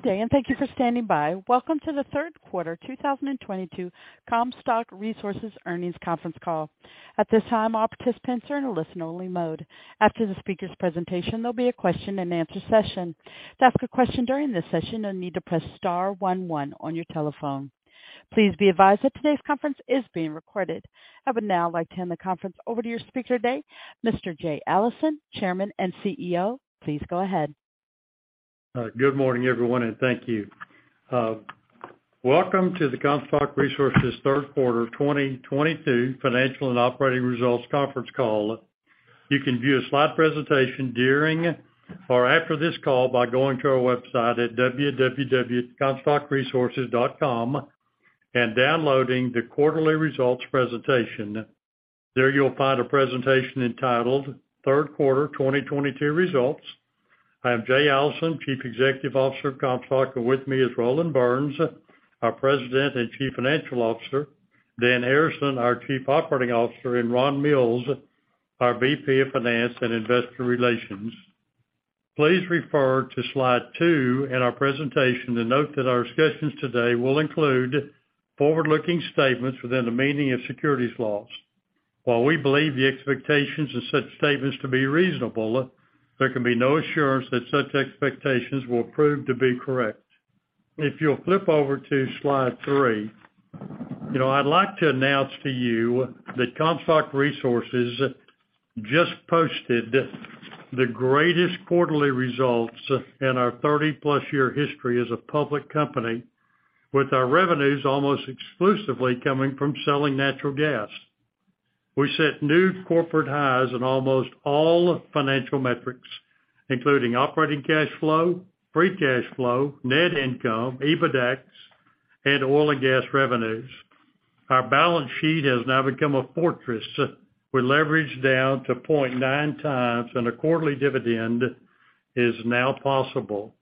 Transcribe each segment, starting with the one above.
Good day, and thank you for standing by. Welcome to the third quarter 2022 Comstock Resources earnings conference call. At this time, all participants are in a listen-only mode. After the speaker's presentation, there'll be a question-and-answer session. To ask a question during this session, you'll need to press star one one on your telephone. Please be advised that today's conference is being recorded. I would now like to hand the conference over to your speaker today, Mr. Jay Allison, Chairman and CEO. Please go ahead. Good morning, everyone, and thank you. Welcome to the Comstock Resources third quarter 2022 financial and operating results conference call. You can view a slide presentation during or after this call by going to our website at www.comstockresources.com and downloading the quarterly results presentation. There you'll find a presentation entitled Third Quarter 2022 Results. I am Jay Allison, Chief Executive Officer of Comstock, and with me is Roland Burns, our President and Chief Financial Officer, Dan Harrison, our Chief Operating Officer, and Ron Mills, our VP of Finance and Investor Relations. Please refer to slide 2 in our presentation to note that our discussions today will include forward-looking statements within the meaning of securities laws. While we believe the expectations of such statements to be reasonable, there can be no assurance that such expectations will prove to be correct. If you'll flip over to slide 3, you know, I'd like to announce to you that Comstock Resources just posted the greatest quarterly results in our 30+ year history as a public company, with our revenues almost exclusively coming from selling natural gas. We set new corporate highs in almost all financial metrics, including operating cash flow, free cash flow, net income, EBITDAX, and oil and gas revenues. Our balance sheet has now become a fortress. We're leveraged down to 0.9x and a quarterly dividend is now possible.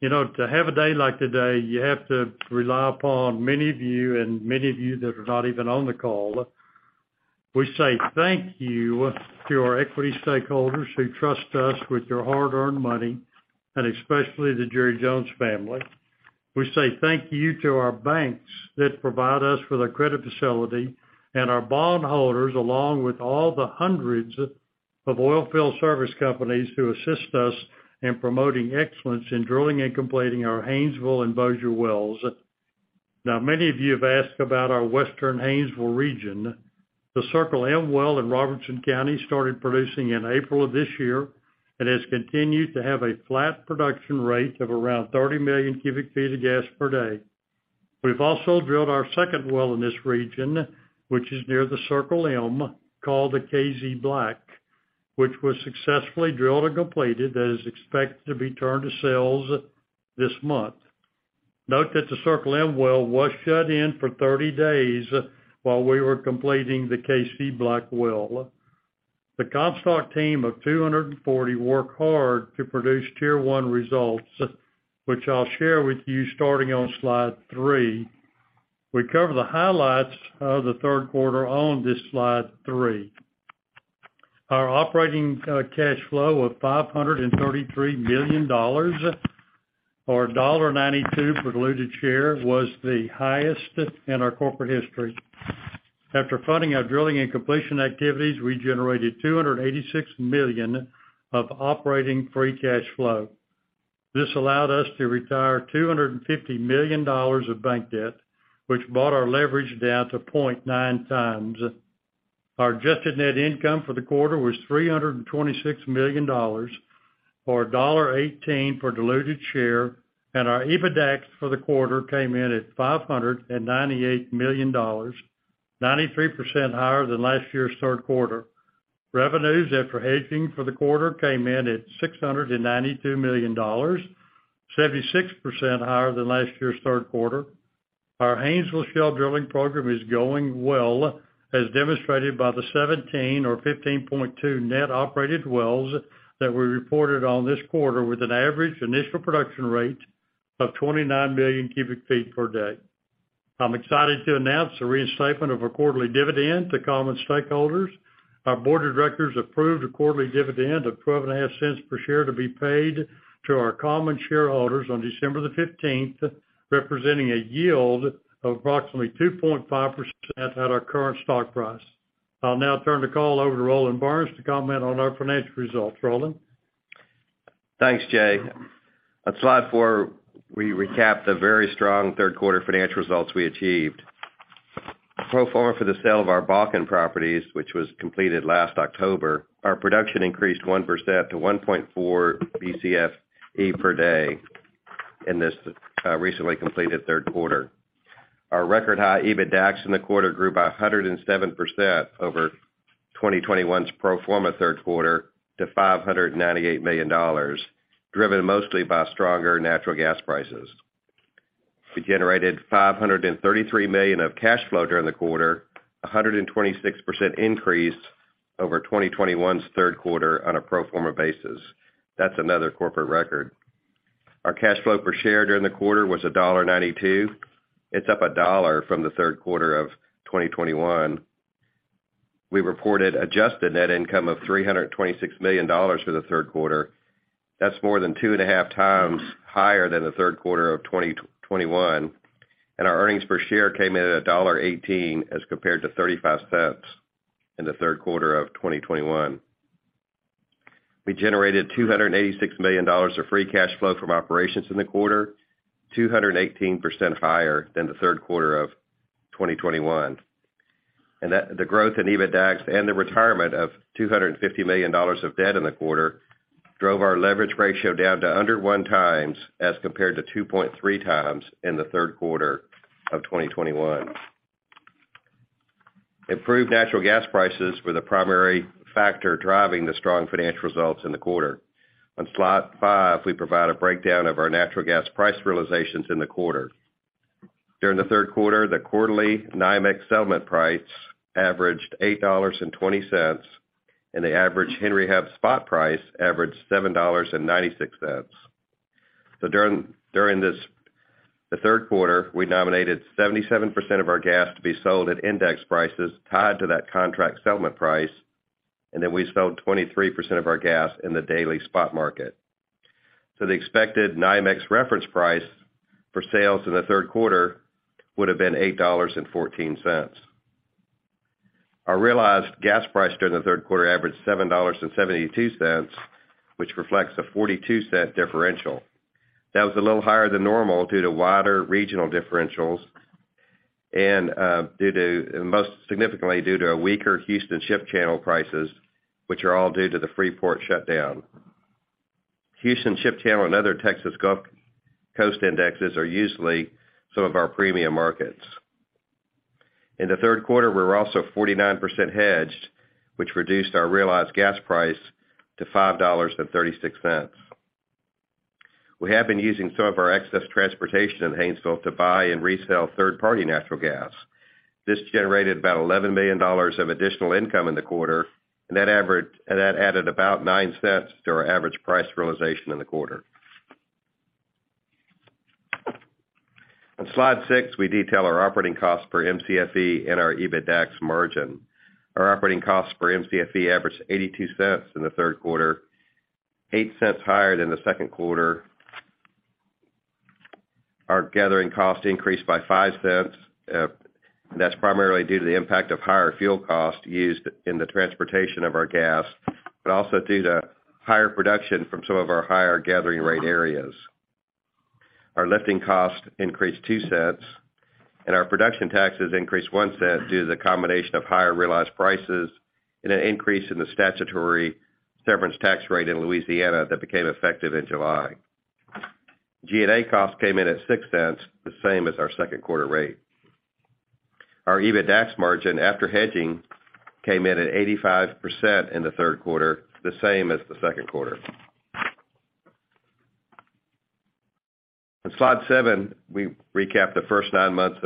You know, to have a day like today, you have to rely upon many of you and many of you that are not even on the call. We say thank you to our equity stakeholders who trust us with your hard-earned money, and especially the Jerry Jones family. We say thank you to our banks that provide us with a credit facility and our bondholders, along with all the hundreds of oil field service companies who assist us in promoting excellence in drilling and completing our Haynesville and Bossier wells. Many of you have asked about our Western Haynesville region. The Circle M Well in Robertson County started producing in April of this year and has continued to have a flat production rate of around 30 million cu ft of gas per day. We've also drilled our second well in this region, which is near the Circle M, called the Casey Black, which was successfully drilled and completed, that is expected to be turned to sales this month. Note that the Circle M Well was shut in for 30 days while we were completing the Casey Black well. The Comstock team of 240 work hard to produce tier one results, which I'll share with you starting on slide three. We cover the highlights of the third quarter on this slide three. Our operating cash flow of $533 million, or $1.92 per diluted share, was the highest in our corporate history. After funding our drilling and completion activities, we generated $286 million of operating free cash flow. This allowed us to retire $250 million of bank debt, which brought our leverage down to 0.9x. Our adjusted net income for the quarter was $326 million or $1.18 per diluted share, and our EBITDAX for the quarter came in at $598 million, 93% higher than last year's third quarter. Revenues after hedging for the quarter came in at $692 million, 76% higher than last year's third quarter. Our Haynesville Shale drilling program is going well, as demonstrated by the 17 or 15.2 net operated wells that we reported on this quarter, with an average initial production rate of 29 million cu ft per day. I'm excited to announce the reinstatement of a quarterly dividend to common stockholders. Our Board of Directors approved a quarterly dividend of $0.125 per share to be paid to our common shareholders on December 15, representing a yield of approximately 2.5% at our current stock price. I'll now turn the call over to Roland O. Burns to comment on our financial results. Roland. Thanks, Jay. On slide four, we recap the very strong third quarter financial results we achieved. Pro forma for the sale of our Bakken properties, which was completed last October, our production increased 1% to 1.4 BCFE per day in this recently completed third quarter. Our record high EBITDAX in the quarter grew by 107% over 2021's pro forma third quarter to $598 million, driven mostly by stronger natural gas prices. We generated $533 million of cash flow during the quarter, 126% increase over 2021's third quarter on a pro forma basis. That's another corporate record. Our cash flow per share during the quarter was $1.92. It's up $1 from the third quarter of 2021. We reported adjusted net income of $326 million for the third quarter. That's more than 2.5x higher than the third quarter of 2021, and our earnings per share came in at $1.18 as compared to $0.35 in the third quarter of 2021. We generated $286 million of free cash flow from operations in the quarter, 218% higher than the third quarter of 2021. That, the growth in EBITDAX and the retirement of $250 million of debt in the quarter, drove our leverage ratio down to under 1x as compared to 2.3x in the third quarter of 2021. Improved natural gas prices were the primary factor driving the strong financial results in the quarter. On slide 5, we provide a breakdown of our natural gas price realizations in the quarter. During the third quarter, the quarterly NYMEX settlement price averaged $8.20, and the average Henry Hub spot price averaged $7.96. During the third quarter, we nominated 77% of our gas to be sold at index prices tied to that contract settlement price, and then we sold 23% of our gas in the daily spot market. The expected NYMEX reference price for sales in the third quarter would have been $8.14. Our realized gas price during the third quarter averaged $7.72, which reflects a $0.42 differential. That was a little higher than normal due to wider regional differentials and due to, most significantly, weaker Houston Ship Channel prices, which are all due to the Freeport shutdown. Houston Ship Channel and other Texas Gulf Coast indexes are usually some of our premium markets. In the third quarter, we were also 49% hedged, which reduced our realized gas price to $5.36. We have been using some of our excess transportation in Haynesville to buy and resell third-party natural gas. This generated about $11 million of additional income in the quarter, and that added about $0.09 to our average price realization in the quarter. On slide six, we detail our operating cost per Mcfe and our EBITDAX margin. Our operating cost for Mcfe averaged $0.82 in the third quarter, $0.08 higher than the second quarter. Our gathering cost increased by $0.05, and that's primarily due to the impact of higher fuel cost used in the transportation of our gas, but also due to higher production from some of our higher gathering rate areas. Our lifting cost increased $0.02, and our production taxes increased $0.01 due to the combination of higher realized prices and an increase in the statutory severance tax rate in Louisiana that became effective in July. G&A costs came in at $0.06, the same as our second quarter rate. Our EBITDAX margin after hedging came in at 85% in the third quarter, the same as the second quarter. On slide seven, we recap the first nine months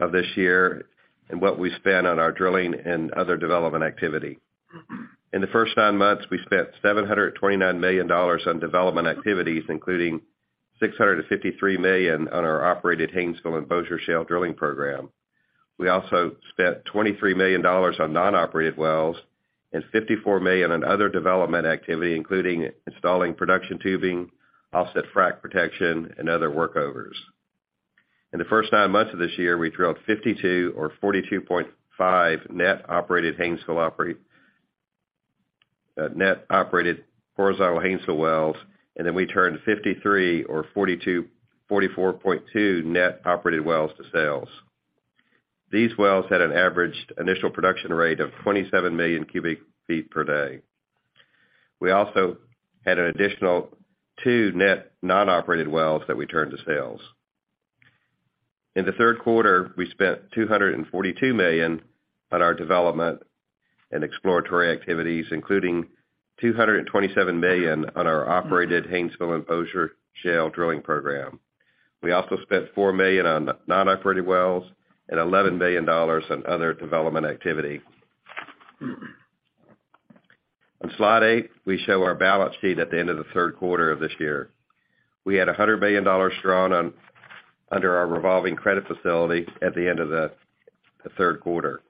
of this year and what we spent on our drilling and other development activity. In the first nine months, we spent $729 million on development activities, including $653 million on our operated Haynesville and Bossier Shale drilling program. We also spent $23 million on non-operated wells and $54 million on other development activity, including installing production tubing, offset frack protection, and other workovers. In the first nine months of this year, we drilled 52 or 42.5 net operated horizontal Haynesville wells, and then we turned 53 or 44.2 net operated wells to sales. These wells had an averaged initial production rate of 27 million cu ft per day. We also had an additional two net non-operated wells that we turned to sales. In the third quarter, we spent $242 million on our development and exploratory activities, including $227 million on our operated Haynesville and Bossier Shale drilling program. We also spent $4 million on non-operated wells and $11 million on other development activity. On slide 8, we show our balance sheet at the end of the third quarter of this year. We had $100 million drawn under our revolving credit facility at the end of the third quarter.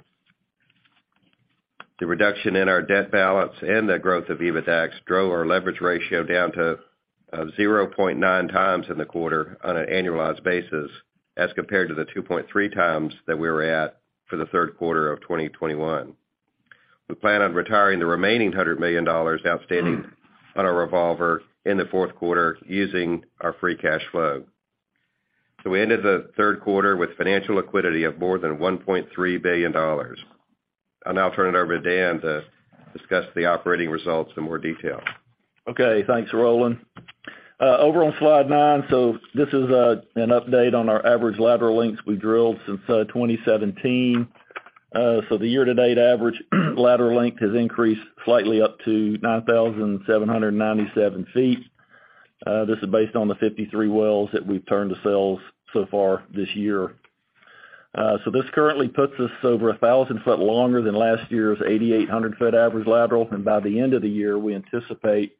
The reduction in our debt balance and the growth of EBITDAX drove our leverage ratio down to 0.9x in the quarter on an annualized basis as compared to the 2.3x that we were at for the third quarter of 2021. We plan on retiring the remaining $100 million outstanding on our revolver in the fourth quarter using our free cash flow. We ended the third quarter with financial liquidity of more than $1.3 billion. I'll now turn it over to Dan to discuss the operating results in more detail. Okay, thanks, Roland. Over on Slide 9, this is an update on our average lateral lengths we drilled since 2017. The year-to-date average lateral length has increased slightly up to 9,797 ft. This is based on the 53 wells that we've turned to sales so far this year. This currently puts us over 1,000 ft longer than last year's 8,800-foot average lateral, and by the end of the year, we anticipate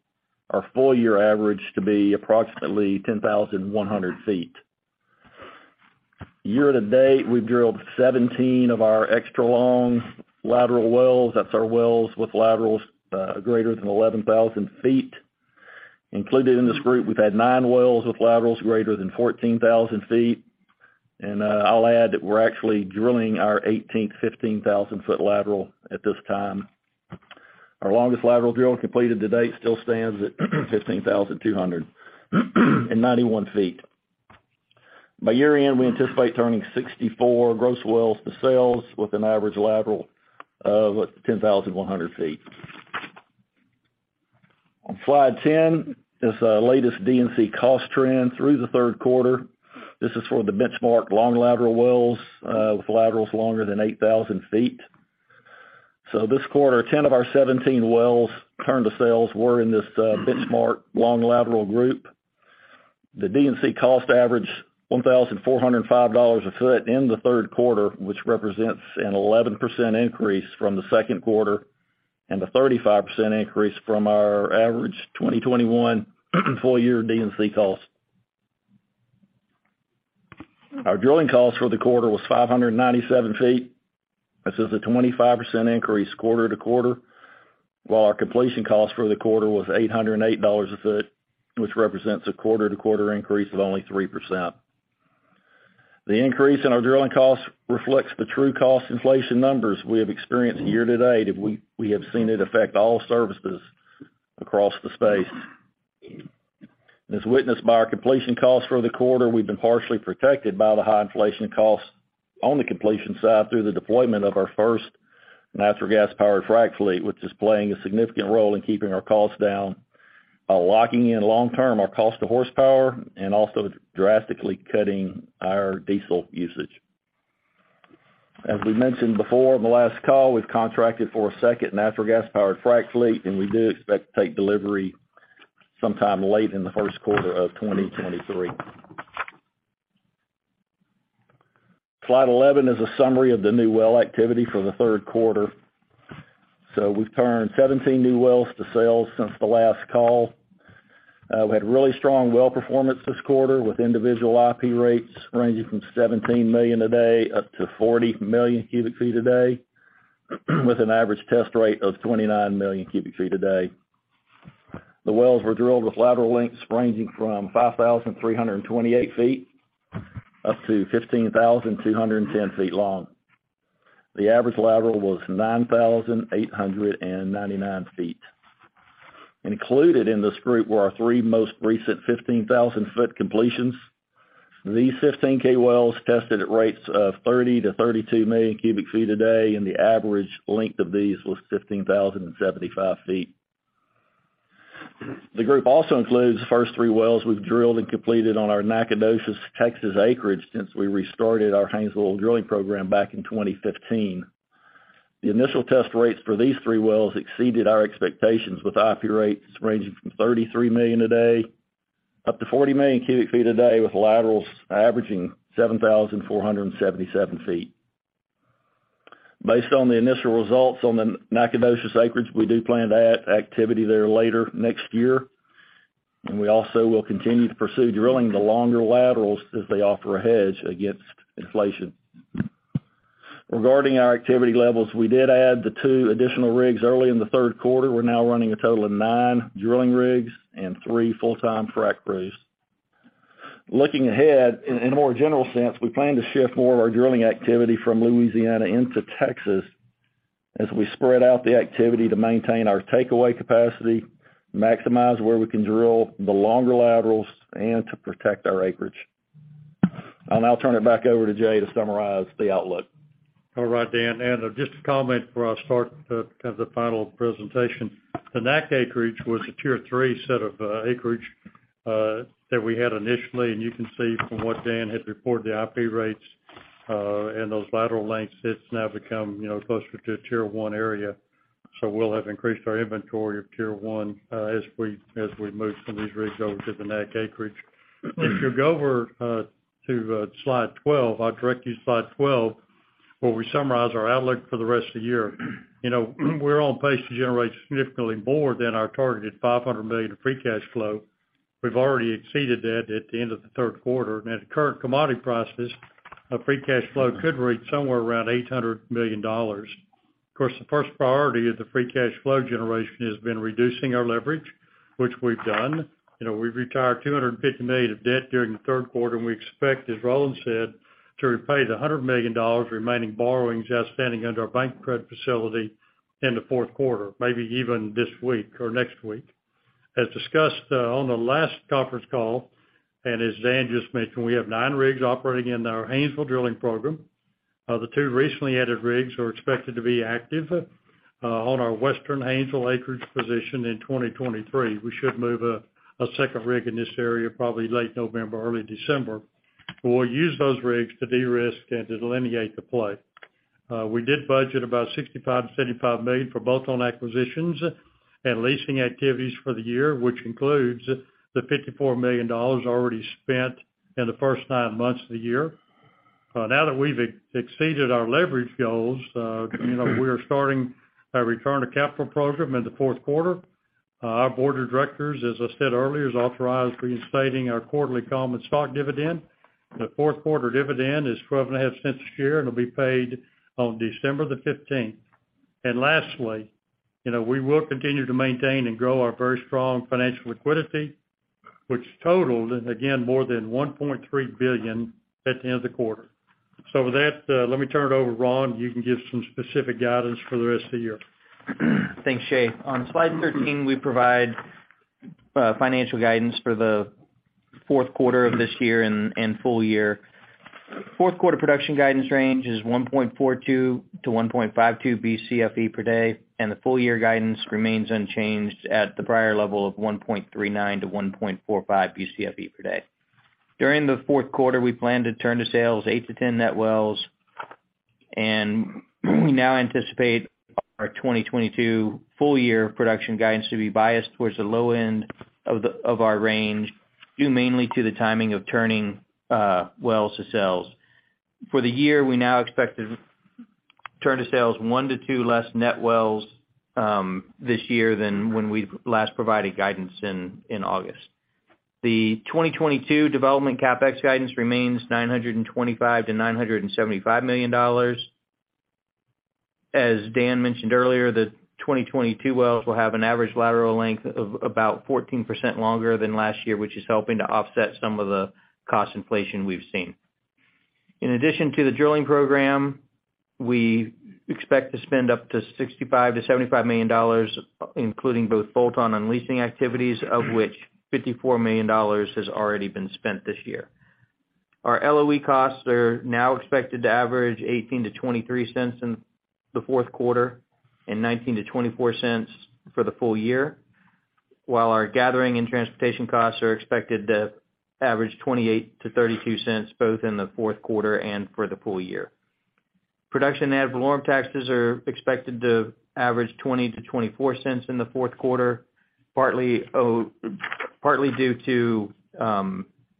our full year average to be approximately 10,100 ft. Year-to-date, we've drilled 17 of our extra long lateral wells. That's our wells with laterals greater than 11,000 ft. Included in this group, we've had 9 wells with laterals greater than 14,000 ft. I'll add that we're actually drilling our 18th 15,000-foot lateral at this time. Our longest lateral drill completed to date still stands at 15,291 ft. By year-end, we anticipate turning 64 gross wells to sales, with an average lateral of 10,100 ft. On slide 10 is the latest D&C cost trend through the third quarter. This is for the benchmark long lateral wells with laterals longer than 8,000 ft. This quarter, 10 of our 17 wells turned to sales were in this benchmark long lateral group. The D&C cost averaged $1,405 a foot in the third quarter, which represents an 11% increase from the second quarter, and a 35% increase from our average 2021 full year D&C cost. Our drilling cost for the quarter was $597 a foot. This is a 25% increase quarter-to-quarter. While our completion cost for the quarter was $808 a foot, which represents a quarter-to-quarter increase of only 3%. The increase in our drilling costs reflects the true cost inflation numbers we have experienced year to date, and we have seen it affect all services across the space. As witnessed by our completion costs for the quarter, we've been partially protected by the high inflation costs on the completion side through the deployment of our first natural gas-powered frac fleet, which is playing a significant role in keeping our costs down, locking in long-term our cost to horsepower and also drastically cutting our diesel usage. As we mentioned before on the last call, we've contracted for a second natural gas-powered frac fleet, and we do expect to take delivery sometime late in the first quarter of 2023. Slide 11 is a summary of the new well activity for the third quarter. We've turned 17 new wells to sales since the last call. We had really strong well performance this quarter with individual IP rates ranging from 17 million a day, up to 40 million cu ft a day, with an average test rate of 29 million cu ft a day. The wells were drilled with lateral lengths ranging from 5,328 ft up to 15,210 ft long. The average lateral was 9,899 ft. Included in this group were our three most recent 15,000-foot completions. These 15 K wells tested at rates of 30 million cu ft-32 million cu ft a day, and the average length of these was 15,075 ft. The group also includes the first three wells we've drilled and completed on our Nacogdoches, Texas acreage since we restarted our Haynesville drilling program back in 2015. The initial test rates for these three wells exceeded our expectations, with IP rates ranging from 33 million a day, up to 40 million cu ft a day, with laterals averaging 7,477 ft. Based on the initial results on the Nacogdoches acreage, we do plan to add activity there later next year, and we also will continue to pursue drilling the longer laterals as they offer a hedge against inflation. Regarding our activity levels, we did add the 2 additional rigs early in the third quarter. We're now running a total of 9 drilling rigs and 3 full-time frac crews. Looking ahead in a more general sense, we plan to shift more of our drilling activity from Louisiana into Texas as we spread out the activity to maintain our takeaway capacity, maximize where we can drill the longer laterals, and to protect our acreage. I'll now turn it back over to Jay to summarize the outlook. All right, Dan. Just a comment before I start kind of the final presentation. The Nac acreage was a Tier III set of acreage that we had initially, and you can see from what Dan had reported, the IP rates and those lateral lengths. It's now become, you know, closer to a Tier I area. We'll have increased our inventory of Tier I as we move some of these rigs over to the Nac acreage. If you'll go over to slide 12, I'll direct you to slide 12, where we summarize our outlook for the rest of the year. You know, we're on pace to generate significantly more than our targeted $500 million of free cash flow. We've already exceeded that at the end of the third quarter. At the current commodity prices, our free cash flow could reach somewhere around $800 million. Of course, the first priority of the free cash flow generation has been reducing our leverage, which we've done. You know, we've retired $250 million of debt during the third quarter, and we expect, as Roland said, to repay the $100 million remaining borrowings outstanding under our bank credit facility in the fourth quarter, maybe even this week or next week. As discussed on the last conference call, and as Dan just mentioned, we have 9 rigs operating in our Haynesville drilling program. The 2 recently added rigs are expected to be active on our Western Haynesville acreage position in 2023. We should move a second rig in this area probably late November, early December. We'll use those rigs to de-risk and delineate the play. We did budget about $65 million-$75 million for both on acquisitions and leasing activities for the year, which includes the $54 million already spent in the first nine months of the year. Now that we've exceeded our leverage goals, you know, we're starting our return to capital program in the fourth quarter. Our board of directors, as I said earlier, has authorized reinstating our quarterly common stock dividend. The fourth quarter dividend is $0.125 a share, and it'll be paid on December 15. Lastly, you know, we will continue to maintain and grow our very strong financial liquidity, which totaled, again, more than $1.3 billion at the end of the quarter. With that, let me turn it over to Ron. You can give some specific guidance for the rest of the year. Thanks, Jay. On slide 13, we provide financial guidance for the fourth quarter of this year and full year. Fourth quarter production guidance range is 1.42-1.52 BCFE per day, and the full year guidance remains unchanged at the prior level of 1.39-1.45 BCFE per day. During the fourth quarter, we plan to turn to sales 8-10 net wells, and we now anticipate our 2022 full year production guidance to be biased towards the low end of the low end of our range, due mainly to the timing of turning wells to sales. For the year, we now expect to turn to sales 1-2 less net wells this year than when we last provided guidance in August. The 2022 development CapEx guidance remains $925 million-$975 million. As Dan mentioned earlier, the 2022 wells will have an average lateral length of about 14% longer than last year, which is helping to offset some of the cost inflation we've seen. In addition to the drilling program, we expect to spend up to $65-$75 million, including both bolt-on and leasing activities, of which $54 million has already been spent this year. Our LOE costs are now expected to average $0.18-$0.23 in the fourth quarter and $0.19-$0.24 for the full year, while our gathering and transportation costs are expected to average $0.28-$0.32, both in the fourth quarter and for the full year. Production ad valorem taxes are expected to average $0.20-$0.24 in the fourth quarter, partly due to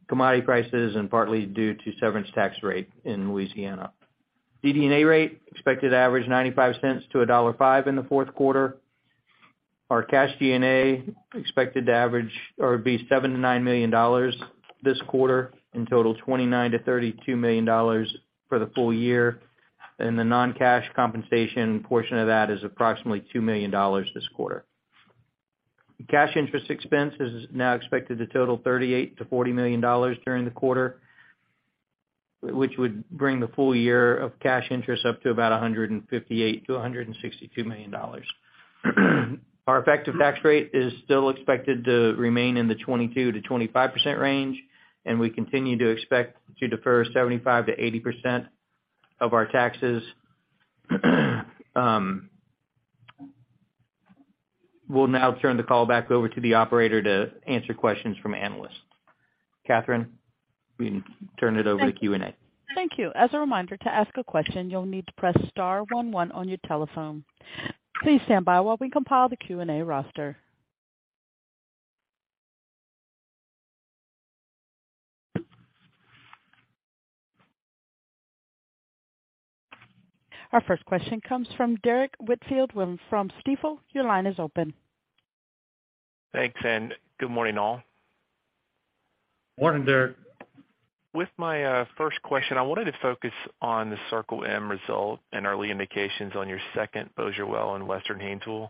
commodity prices and partly due to severance tax rate in Louisiana. DD&A rate expected to average $0.95-$1.05 in the fourth quarter. Our cash G&A expected to average or be $7 million-$9 million this quarter, and total $29 million-$32 million for the full year. The non-cash compensation portion of that is approximately $2 million this quarter. The cash interest expense is now expected to total $38 million-$40 million during the quarter, which would bring the full year of cash interest up to about $158 million-$162 million. Our effective tax rate is still expected to remain in the 22%-25% range, and we continue to expect to defer 75%-80% of our taxes. We'll now turn the call back over to the operator to answer questions from analysts. Catherine, you can turn it over to Q&A. Thank you. As a reminder, to ask a question, you'll need to press star one one on your telephone. Please stand by while we compile the Q&A roster. Our first question comes from Derrick Whitfield from Stifel. Your line is open. Thanks, and good morning, all. Morning, Derrick. With my first question, I wanted to focus on the Circle M result and early indications on your second Bossier well in Western Haynesville.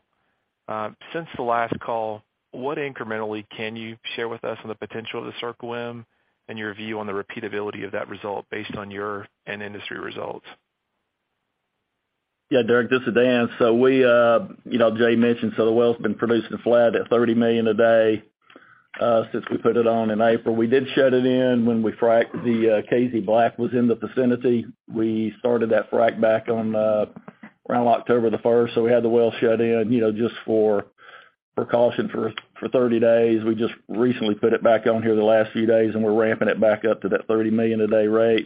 Since the last call, what incrementally can you share with us on the potential of the Circle M and your view on the repeatability of that result based on your and industry results? Yeah, Derrick, this is Dan. We, you know, Jay mentioned, the well's been producing flat at 30 million a day since we put it on in April. We did shut it in when we fracked the Casey Black, which was in the vicinity. We started that frack back on around October the first. We had the well shut in, you know, just for precaution for 30 days. We just recently put it back on here the last few days, and we're ramping it back up to that 30 million a day rate.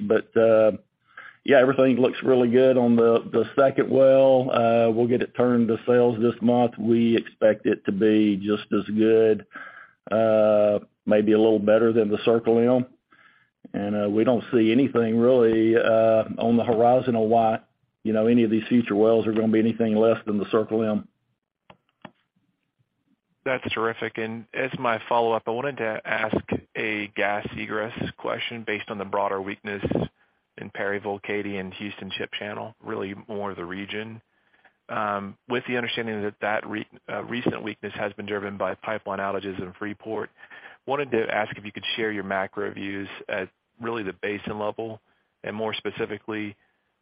Yeah, everything looks really good on the second well. We'll get it turned to sales this month. We expect it to be just as good, maybe a little better than the Circle M. We don't see anything really on the horizon on why, you know, any of these future wells are gonna be anything less than the Circle M. That's terrific. As my follow-up, I wanted to ask a gas egress question based on the broader weakness in Perryville, Katy and Houston Ship Channel, really more the region. With the understanding that recent weakness has been driven by pipeline outages in Freeport, wanted to ask if you could share your macro views at, really, the basin level and more specifically,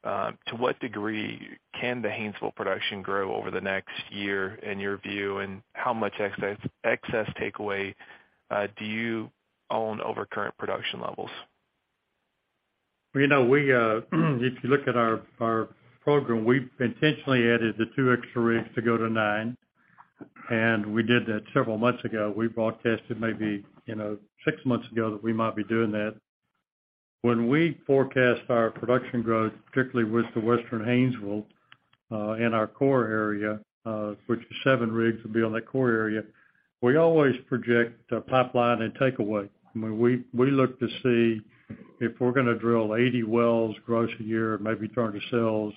to what degree can the Haynesville production grow over the next year, in your view, and how much excess takeaway do you own over current production levels? You know, if you look at our program, we've intentionally added the 2 extra rigs to go to 9, and we did that several months ago. We broadcast it maybe, you know, 6 months ago that we might be doing that. When we forecast our production growth, particularly with the Western Haynesville, and our core area, which is 7 rigs will be on that core area, we always project pipeline and takeaway. I mean, we look to see if we're gonna drill 80 wells gross a year, maybe turn to sales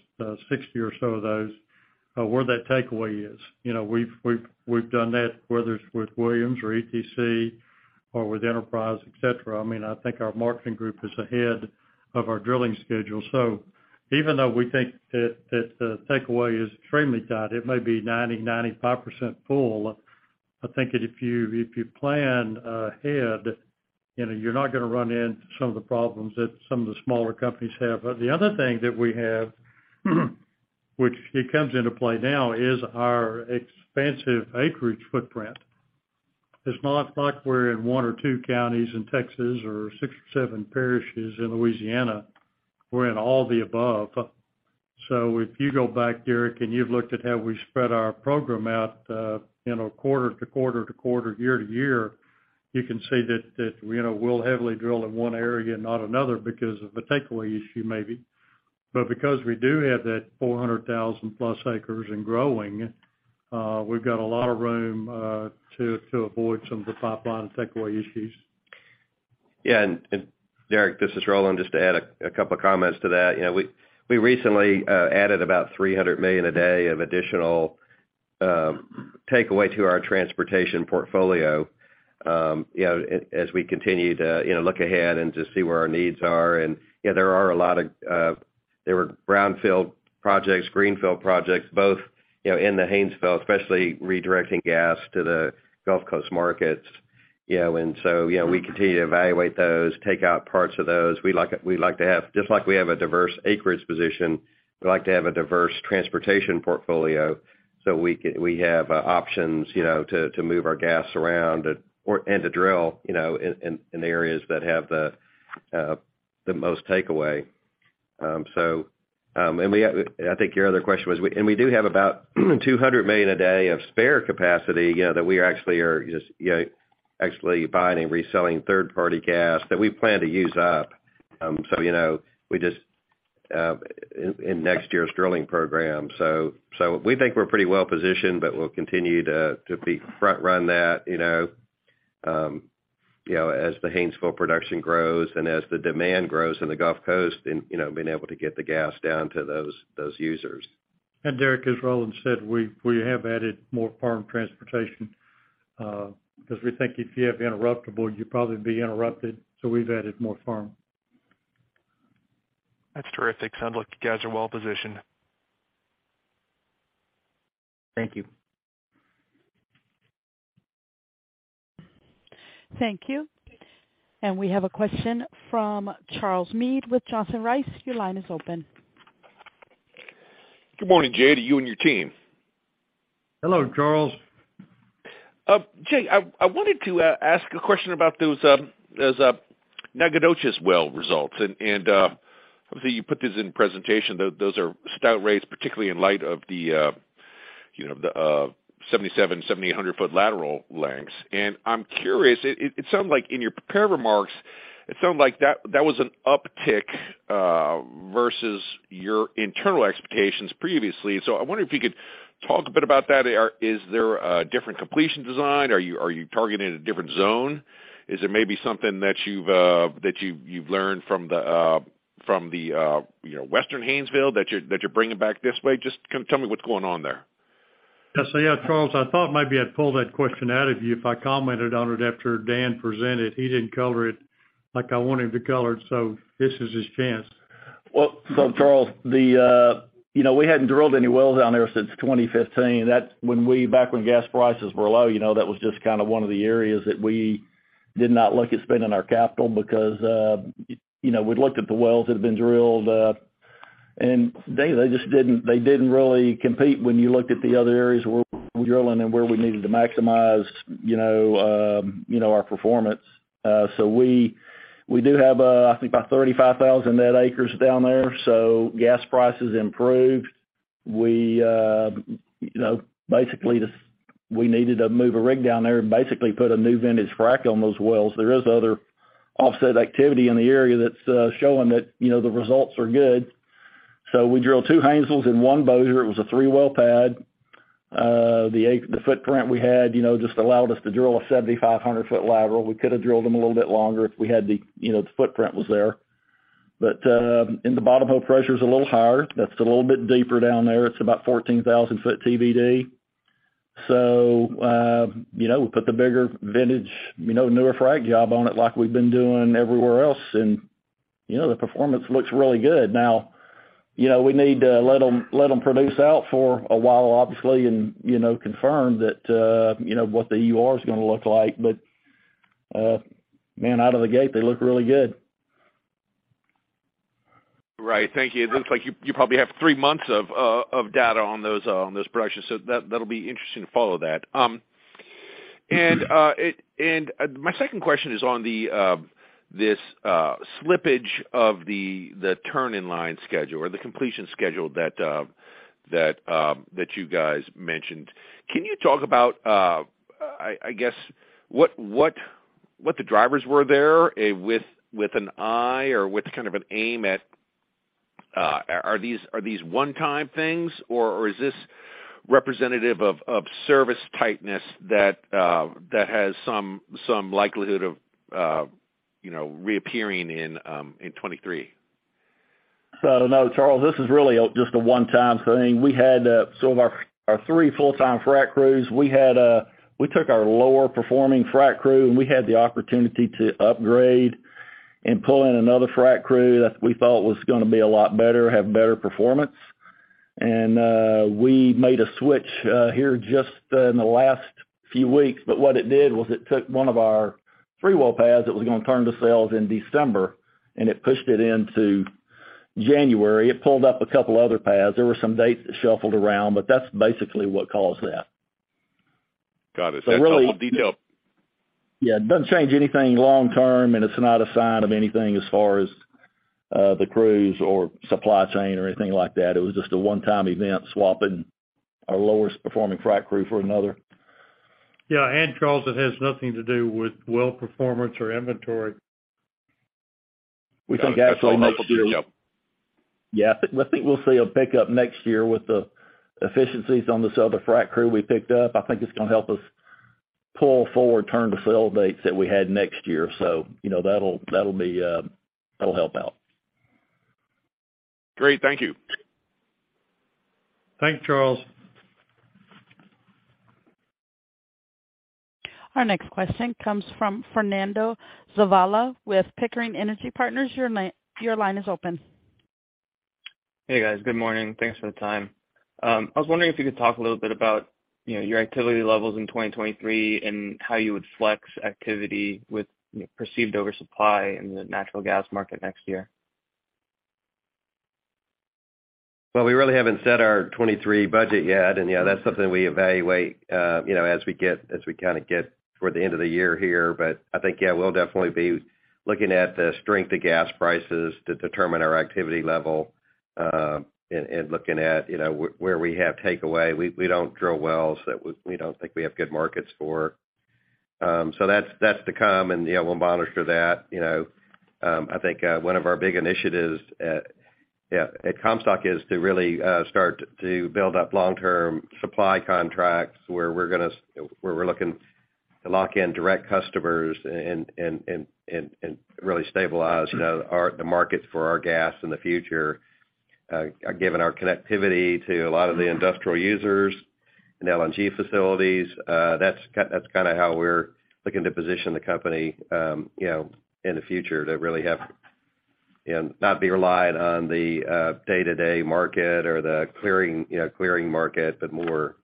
60 or so of those. Where that takeaway is. You know, we've done that, whether it's with Williams or ETC or with Enterprise, et cetera. I mean, I think our marketing group is ahead of our drilling schedule. Even though we think that the takeaway is extremely tight, it may be 95% full, I think that if you plan ahead, you know, you're not gonna run into some of the problems that some of the smaller companies have. The other thing that we have, which it comes into play now, is our expansive acreage footprint. It's not like we're in one or two counties in Texas or six or seven parishes in Louisiana. We're in all the above. If you go back, Derrick, and you've looked at how we spread our program out, you know, quarter to quarter to quarter, year to year, you can see that we'll heavily drill in one area and not another because of the takeaway issue maybe. Because we do have that 400,000+ acres and growing, we've got a lot of room to avoid some of the pipeline takeaway issues. Yeah. Derrick, this is Roland. Just to add a couple of comments to that. You know, we recently added about 300 million a day of additional takeaway to our transportation portfolio, you know, as we continue to, you know, look ahead and just see where our needs are. You know, there were a lot of brownfield projects, greenfield projects, both, you know, in the Haynesville, especially redirecting gas to the Gulf Coast markets, you know. You know, we continue to evaluate those, take out parts of those. Just like we have a diverse acreage position, we like to have a diverse transportation portfolio so we can have options, you know, to move our gas around or and to drill, you know, in areas that have the most takeaway. I think your other question was. We do have about 200 million a day of spare capacity, you know, that we actually are just, you know, actually buying and reselling third-party gas that we plan to use up. So you know, we just in next year's drilling program. we think we're pretty well positioned, but we'll continue to be front run that, you know, you know, as the Haynesville production grows and as the demand grows in the Gulf Coast and, you know, being able to get the gas down to those users. Derrick, as Roland said, we have added more firm transportation, because we think if you have interruptible, you'd probably be interrupted. We've added more firm. That's terrific. Sounds like you guys are well positioned. Thank you. Thank you. We have a question from Charles Meade with Johnson Rice & Company. Your line is open. Good morning, Jay, to you and your team. Hello, Charles. Jay, I wanted to ask a question about those Nacogdoches well results. Obviously, you put this in the presentation, those are stout rates, particularly in light of you know, the 7,700-7,800-foot lateral lengths. I'm curious, it sounds like in your prepared remarks, it sounded like that was an uptick versus your internal expectations previously. I wonder if you could talk a bit about that. Is there a different completion design? Are you targeting a different zone? Is it maybe something that you've learned from you know, Western Haynesville that you're bringing back this way? Just tell me what's going on there. Yeah, Charles, I thought maybe I'd pull that question out of you if I commented on it after Dan presented. He didn't cover it like I want him to cover it, so this is his chance. Charles, you know, we hadn't drilled any wells down there since 2015. Back when gas prices were low, you know, that was just kinda one of the areas that we did not look at spending our capital because, you know, we'd looked at the wells that had been drilled, and they just didn't really compete when you looked at the other areas where we were drilling and where we needed to maximize, you know, our performance. We do have, I think about 35,000 net acres down there. Gas prices improved. We, you know, we needed to move a rig down there and basically put a new vintage frac on those wells. There is other offset activity in the area that's showing that, you know, the results are good. We drilled 2 Haynesville and 1 Bossier. It was a 3-well pad. The footprint we had, you know, just allowed us to drill a 7,500 foot lateral. We could have drilled them a little bit longer if we had the, you know, the footprint was there. The bottom hole pressure is a little higher. That's a little bit deeper down there. It's about 14,000 foot TVD. We put the bigger vintage, you know, newer frac job on it like we've been doing everywhere else. The performance looks really good. Now, you know, we need to let them produce out for a while, obviously, and, you know, confirm that, you know, what the UR is gonna look like. Man, out of the gate, they look really good. Right. Thank you. It looks like you probably have three months of data on those productions. So that'll be interesting to follow that. My second question is on the slippage of the turn in line schedule or the completion schedule that you guys mentioned. Can you talk about, I guess what the drivers were there, with an eye or with kind of an aim at, are these one-time things, or is this representative of service tightness that has some likelihood of, You know, reappearing in 2023. No, Charles, this is really a just a one-time thing. We had some of our three full-time frac crews. We had we took our lower performing frac crew, and we had the opportunity to upgrade and pull in another frac crew that we thought was gonna be a lot better, have better performance. We made a switch here just in the last few weeks. What it did was it took one of our three well pads that was gonna turn to sales in December, and it pushed it into January. It pulled up a couple other pads. There were some dates that shuffled around, but that's basically what caused that. Got it. That's helpful detail. Yeah. It doesn't change anything long term, and it's not a sign of anything as far as, the crews or supply chain or anything like that. It was just a one-time event, swapping our lowest performing frac crew for another. Yeah. Charles, it has nothing to do with well performance or inventory. We think actually next year. Got it. That's all helpful. Yep. I think we'll see a pickup next year with the efficiencies on this other frac crew we picked up. I think it's gonna help us pull forward turn to sell dates that we had next year. You know, that'll be. That'll help out. Great. Thank you. Thanks, Charles. Our next question comes from Fernando Zavala with Pickering Energy Partners. Your line is open. Hey, guys. Good morning. Thanks for the time. I was wondering if you could talk a little bit about, you know, your activity levels in 2023 and how you would flex activity with, you know, perceived oversupply in the natural gas market next year. Well, we really haven't set our 2023 budget yet. Yeah, that's something we evaluate, you know, as we kinda get toward the end of the year here. I think, yeah, we'll definitely be looking at the strength of gas prices to determine our activity level, and looking at, you know, where we have takeaway. We don't drill wells that we don't think we have good markets for. So that's to come. You know, we'll monitor that. You know, I think one of our big initiatives at Comstock is to really start to build up long-term supply contracts where we're looking to lock in direct customers and really stabilize the markets for our gas in the future. Given our connectivity to a lot of the industrial users and LNG facilities, that's kinda how we're looking to position the company, you know, in the future to really have, you know, not be reliant on the day-to-day market or the clearing, you know, clearing market, but more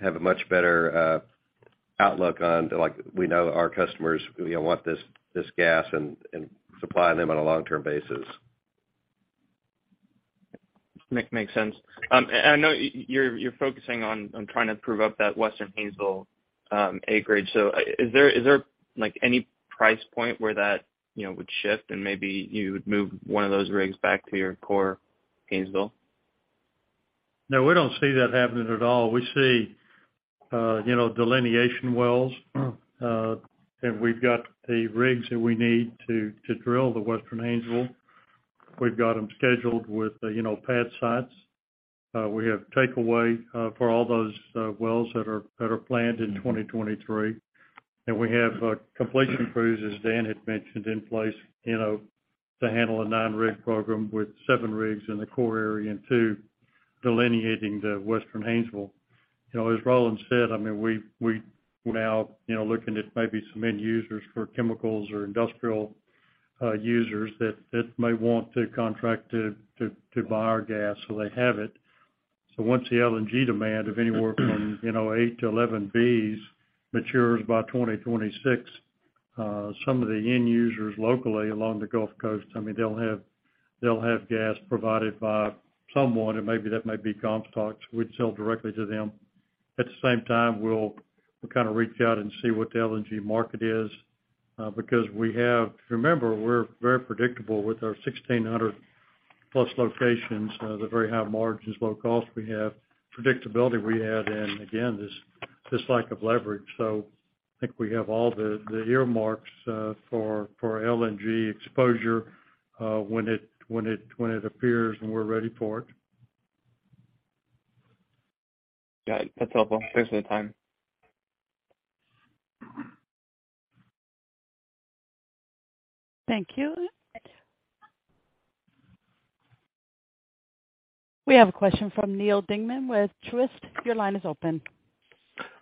have a much better outlook on, like, we know our customers, you know, want this gas and supply them on a long-term basis. Makes sense. I know you're focusing on trying to prove up that Western Haynesville acreage. Is there, like, any price point where that, you know, would shift, and maybe you would move one of those rigs back to your core Haynesville? No, we don't see that happening at all. We see, you know, delineation wells. We've got the rigs that we need to drill the Western Haynesville. We've got them scheduled with, you know, pad sites. We have takeaway for all those wells that are planned in 2023. We have completion crews, as Dan had mentioned, in place, you know, to handle a nine-rig program with seven rigs in the core area and two delineating the Western Haynesville. You know, as Roland said, I mean, we now, you know, looking at maybe some end users for chemicals or industrial users that may want to contract to buy our gas, so they have it. Once the LNG demand of anywhere from, you know, 8-11 Bs matures by 2026, some of the end users locally along the Gulf Coast, I mean, they'll have gas provided by someone, and maybe that may be Comstock, so we'd sell directly to them. At the same time, we'll kind of reach out and see what the LNG market is, because we have. Remember, we're very predictable with our 1,600+ locations, the very high margins, low cost we have, predictability we add, and again, this lack of leverage. I think we have all the earmarks for LNG exposure when it appears, and we're ready for it. Got it. That's helpful. Thanks for the time. Thank you. We have a question from Neal Dingmann with Truist. Your line is open.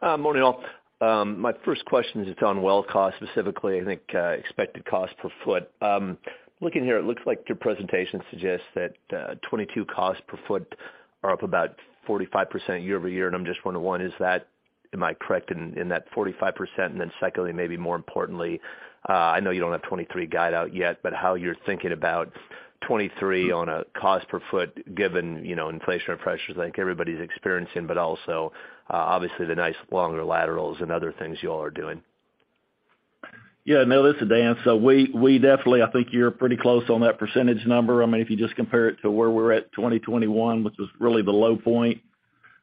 Morning, all. My first question is on well cost, specifically, I think, expected cost per foot. Looking here, it looks like your presentation suggests that 2022 costs per foot are up about 45% year-over-year, and I'm just wondering, one, is that am I correct in that 45%? Then secondly, maybe more importantly, I know you don't have 2023 guide out yet, but how you're thinking about 2023 on a cost per foot given you know inflationary pressures I think everybody's experiencing, but also obviously the nice longer laterals and other things you all are doing. Yeah. Neal, this is Dan. We definitely, I think you're pretty close on that percentage number. I mean, if you just compare it to where we were at 2021, which was really the low point.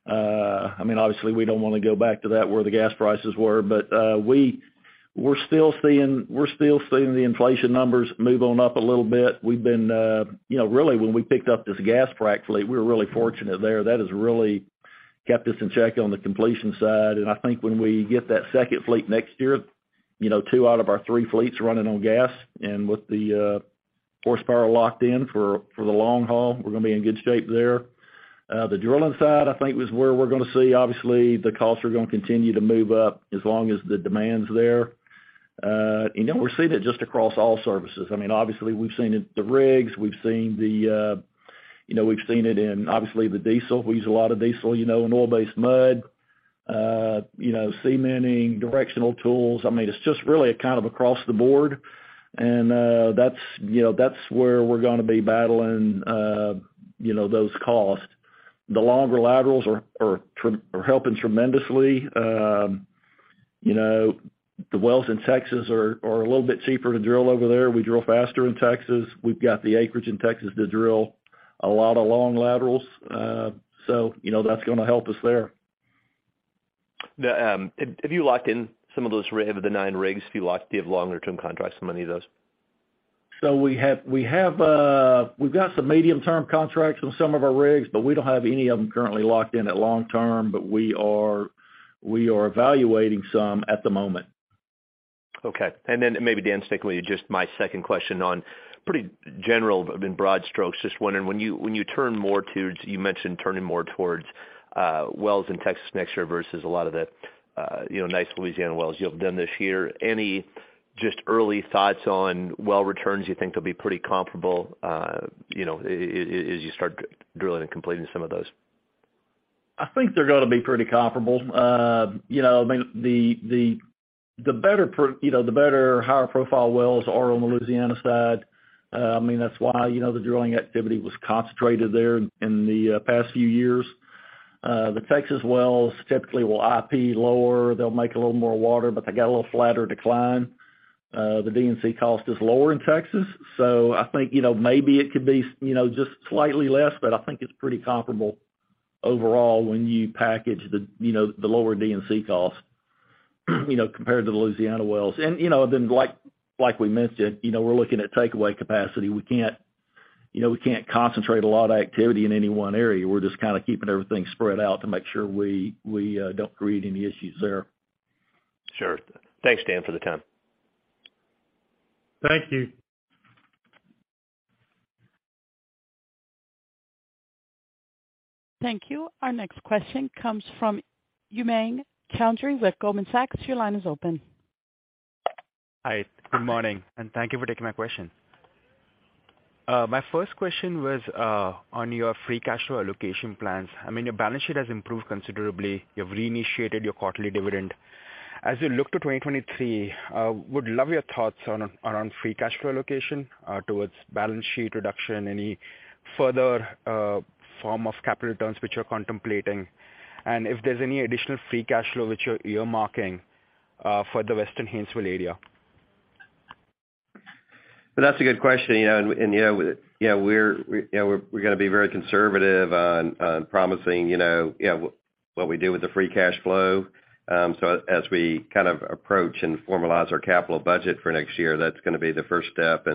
I mean, obviously, we don't wanna go back to that, where the gas prices were. We're still seeing the inflation numbers move on up a little bit. We've been, you know, really, when we picked up this gas frac fleet, we were really fortunate there. That has really kept us in check on the completion side. I think when we get that second fleet next year, you know, two out of our three fleets running on gas and with the horsepower locked in for the long haul, we're gonna be in good shape there. The drilling side, I think was where we're gonna see obviously, the costs are gonna continue to move up as long as the demand's there. You know, we're seeing it just across all services. I mean, obviously we've seen it in the rigs. You know, we've seen it in the diesel. We use a lot of diesel, you know, in oil-based mud, you know, cementing, directional tools. I mean, it's just really a kind of across the board. That's, you know, that's where we're gonna be battling, you know, those costs. The longer laterals are helping tremendously. You know, the wells in Texas are a little bit cheaper to drill over there. We drill faster in Texas. We've got the acreage in Texas to drill a lot of long laterals, so you know, that's gonna help us there. Have you locked in some of those 9 rigs? Do you have longer term contracts on any of those? We have we've got some medium-term contracts on some of our rigs, but we don't have any of them currently locked in at long-term, but we are evaluating some at the moment. Okay. Maybe Daniel, just my second question on pretty general, I mean, broad strokes. Just wondering, you mentioned turning more towards wells in Texas next year versus a lot of the, you know, nice Louisiana wells you have done this year. Any just early thoughts on well returns you think they'll be pretty comparable, you know, as you start drilling and completing some of those? I think they're gonna be pretty comparable. You know, I mean, the better high profile wells are on the Louisiana side. I mean, that's why, you know, the drilling activity was concentrated there in the past few years. The Texas wells typically will IP lower. They'll make a little more water, but they got a little flatter decline. The D&C cost is lower in Texas, so I think, you know, maybe it could be just slightly less, but I think it's pretty comparable overall when you package the, you know, the lower D&C costs, you know, compared to the Louisiana wells. You know, then, like we mentioned, you know, we're looking at takeaway capacity. We can't, you know, we can't concentrate a lot of activity in any one area. We're just kinda keeping everything spread out to make sure we don't create any issues there. Sure. Thanks, Dan, for the time. Thank you. Thank you. Our next question comes from Umang Choudhary with Goldman Sachs. Your line is open. Hi. Good morning, and thank you for taking my question. My first question was on your free cash flow allocation plans. I mean, your balance sheet has improved considerably. You've reinitiated your quarterly dividend. As you look to 2023, would love your thoughts on free cash flow allocation towards balance sheet reduction, any further form of capital returns which you're contemplating. If there's any additional free cash flow which you're earmarking for the Western Haynesville area. Well, that's a good question. You know, yeah, we're gonna be very conservative on promising you know what we do with the free cash flow. As we kind of approach and formalize our capital budget for next year, that's gonna be the first step.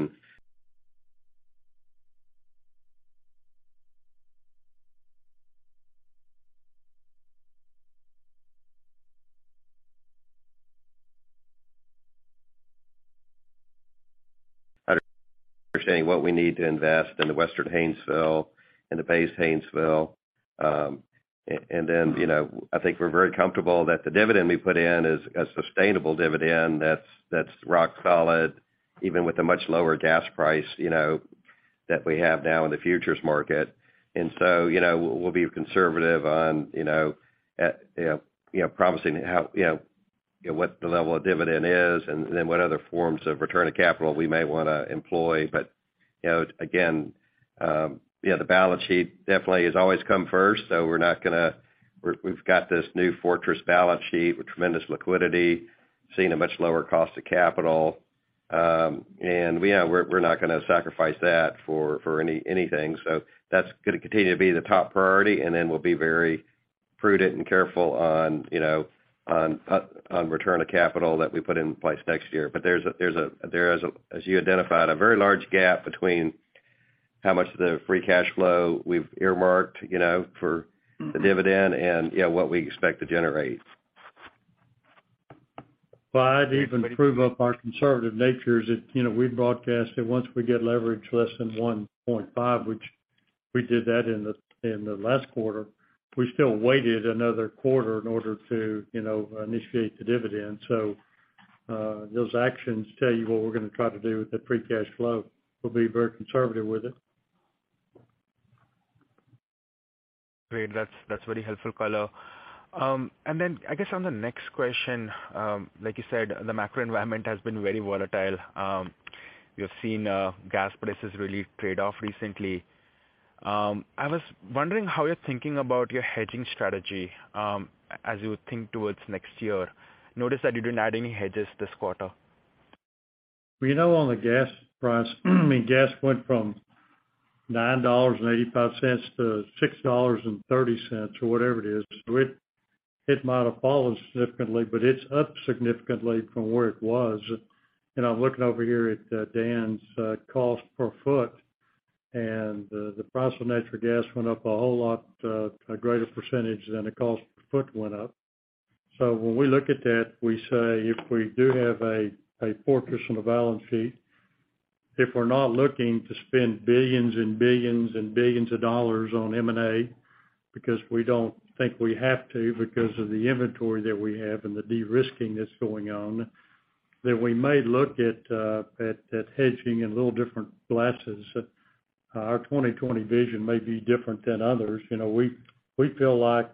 Understanding what we need to invest in the Western Haynesville and the base Haynesville. You know, I think we're very comfortable that the dividend we put in is a sustainable dividend that's rock solid, even with a much lower gas price you know that we have now in the futures market. You know, we'll be conservative on you know promising how you know what the level of dividend is and then what other forms of return of capital we may wanna employ. You know, again, you know, the balance sheet definitely has always come first. We've got this new fortress balance sheet with tremendous liquidity, seeing a much lower cost of capital. We're not gonna sacrifice that for anything. That's gonna continue to be the top priority, and then we'll be very prudent and careful on, you know, on return of capital that we put in place next year. There's a, as you identified, a very large gap between how much of the free cash flow we've earmarked, you know, for the dividend and, you know, what we expect to generate. Well, I'd even prove up our conservative nature is that, you know, we broadcast that once we get leverage less than 1.5, which we did that in the last quarter, we still waited another quarter in order to, you know, initiate the dividend. Those actions tell you what we're gonna try to do with the free cash flow. We'll be very conservative with it. Great. That's very helpful color. I guess on the next question, like you said, the macro environment has been very volatile. You've seen gas prices really trade off recently. I was wondering how you're thinking about your hedging strategy, as you would think towards next year. Notice that you didn't add any hedges this quarter. Well, you know, on the gas price, I mean, gas went from $9.85 to $6.30 or whatever it is. It might have fallen significantly, but it's up significantly from where it was. I'm looking over here at Dan's cost per foot. The price of natural gas went up a whole lot, a greater percentage than the cost per foot went up. When we look at that, we say if we do have a fortress on the balance sheet, if we're not looking to spend billions of dollars on M&A, because we don't think we have to because of the inventory that we have and the de-risking that's going on, then we may look at hedging in a little different way. Our 20/20 vision may be different than others. You know, we feel like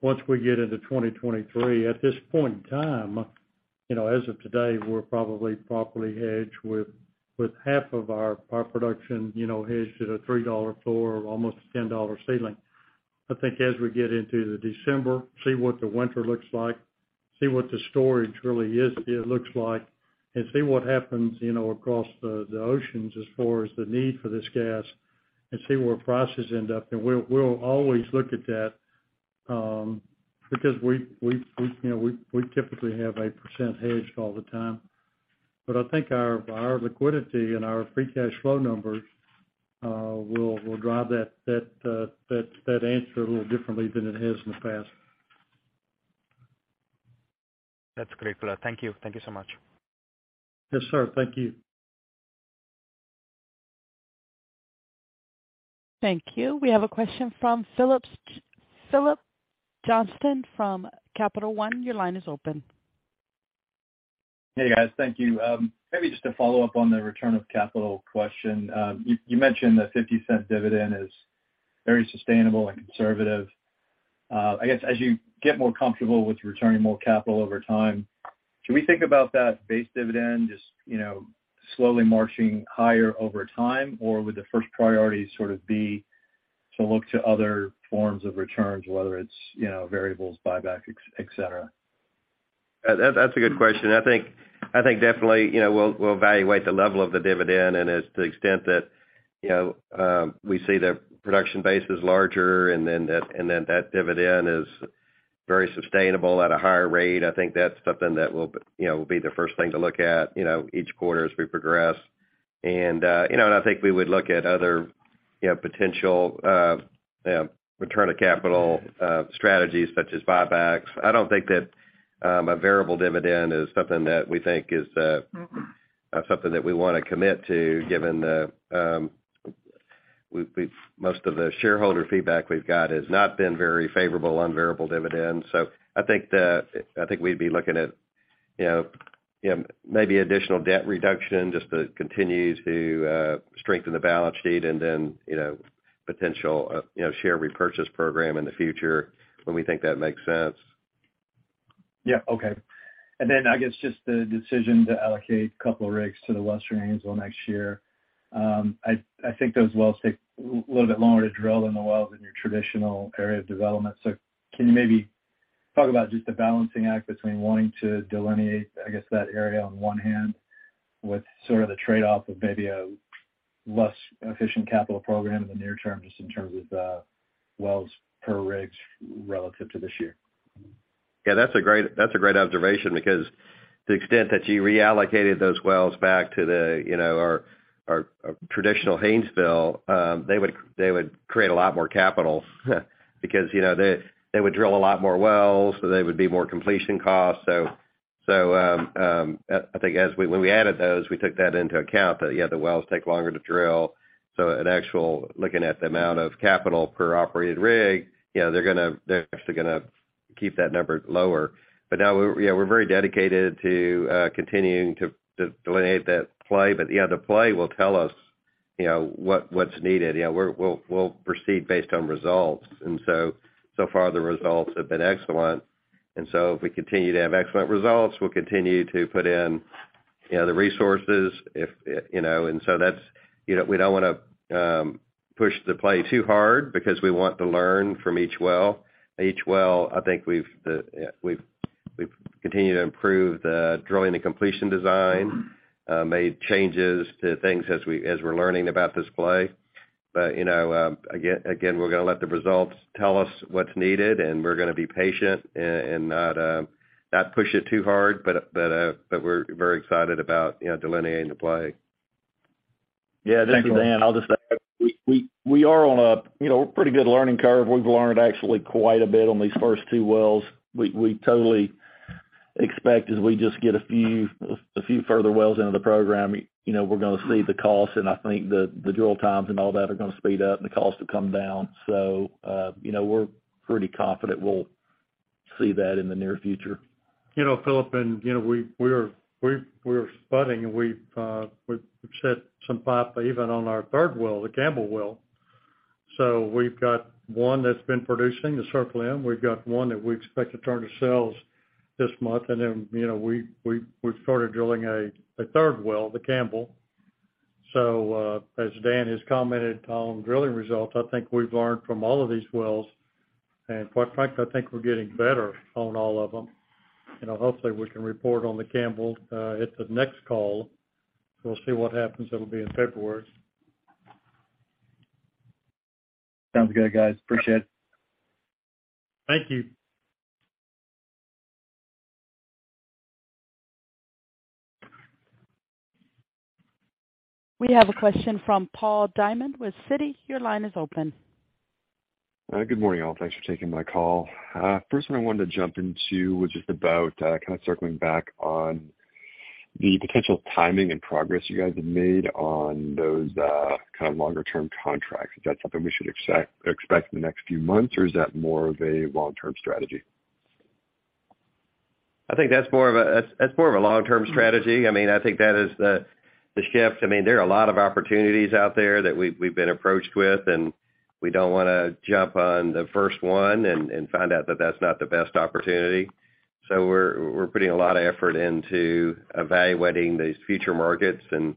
once we get into 2023, at this point in time, you know, as of today, we're probably properly hedged with half of our production hedged at a $3 floor or almost a $10 ceiling. I think as we get into the December, see what the winter looks like, see what the storage really is, it looks like, and see what happens, you know, across the oceans as far as the need for this gas and see where prices end up. We'll always look at that, because we, you know, we typically have a percent hedged all the time. I think our liquidity and our free cash flow numbers will drive that answer a little differently than it has in the past. That's great color. Thank you. Thank you so much. Yes, sir. Thank you. Thank you. We have a question from Phillips Johnston from Capital One. Your line is open. Hey, guys. Thank you. Maybe just to follow up on the return of capital question. You mentioned the $0.50 dividend is very sustainable and conservative. I guess, as you get more comfortable with returning more capital over time, should we think about that base dividend just, you know, slowly marching higher over time? Or would the first priority sort of be to look to other forms of returns, whether it's, you know, variables, buyback, et cetera? That's a good question. I think definitely, you know, we'll evaluate the level of the dividend. As to the extent that, you know, we see the production base is larger and then that dividend is very sustainable at a higher rate, I think that's something that will be the first thing to look at, you know, each quarter as we progress. You know, and I think we would look at other, you know, potential return to capital strategies such as buybacks. I don't think that a variable dividend is something that we think is something that we wanna commit to, given most of the shareholder feedback we've got has not been very favorable on variable dividends. I think we'd be looking at, you know, maybe additional debt reduction just to continue to strengthen the balance sheet and then, you know, potential, you know, share repurchase program in the future when we think that makes sense. Yeah. Okay. I guess just the decision to allocate a couple rigs to the Western Haynesville next year. I think those wells take a little bit longer to drill than the wells in your traditional area of development. Can you maybe talk about just the balancing act between wanting to delineate, I guess, that area on one hand with sort of the trade-off of maybe a less efficient capital program in the near term, just in terms of wells per rigs relative to this year? Yeah, that's a great observation because the extent that you reallocated those wells back to the, you know, our traditional Haynesville, they would create a lot more capital because, you know, they would drill a lot more wells, so there would be more completion costs. I think when we added those, we took that into account that, yeah, the wells take longer to drill. So in actuality, looking at the amount of capital per operated rig, you know, they're actually gonna keep that number lower. But now we're very dedicated to continuing to delineate that play. But yeah, the play will tell us, you know, what's needed. You know, we'll proceed based on results. So far, the results have been excellent. If we continue to have excellent results, we'll continue to put in, you know, the resources if, you know. That's, you know, we don't wanna push the play too hard because we want to learn from each well. Each well, I think we've continued to improve the drilling and completion design, made changes to things as we're learning about this play. You know, again, we're gonna let the results tell us what's needed, and we're gonna be patient and not push it too hard, but we're very excited about, you know, delineating the play. Thank you. Yeah, this is Dan. I'll just add, we are on a pretty good learning curve. We've learned actually quite a bit on these first two wells. We totally expect as we just get a few further wells into the program, you know, we're gonna see the costs, and I think the drill times and all that are gonna speed up, and the costs will come down. You know, we're pretty confident we'll see that in the near future. You know, Phillips, and you know, we're spudding, and we've set some pipe even on our third well, the Campbell well. We've got one that's been producing, the Circle M. We've got one that we expect to turn to sales this month. You know, we've started drilling a third well, the Campbell. As Dan has commented on drilling results, I think we've learned from all of these wells. Quite frankly, I think we're getting better on all of them. You know, hopefully, we can report on the Campbell at the next call. We'll see what happens. It'll be in February. Sounds good, guys. Appreciate it. Thank you. We have a question from Paul Diamond with Citi. Your line is open. Good morning, all. Thanks for taking my call. First one I wanted to jump into was just about, kind of circling back on the potential timing and progress you guys have made on those, kind of longer-term contracts. Is that something we should expect in the next few months, or is that more of a long-term strategy? I think that's more of a long-term strategy. I mean, I think that is the shift. I mean, there are a lot of opportunities out there that we've been approached with, and we don't wanna jump on the first one and find out that that's not the best opportunity. So we're putting a lot of effort into evaluating these future markets and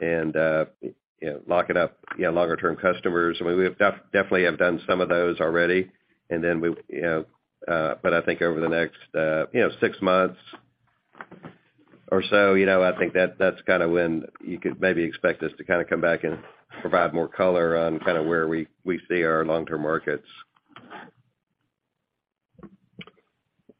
you know, locking up you know, longer-term customers. I mean, we have definitely done some of those already. Then we you know but I think over the next you know, six months or so, you know, I think that's kinda when you could maybe expect us to kinda come back and provide more color on kinda where we see our long-term markets.